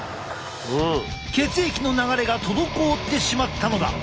血液の流れが滞ってしまったのだ。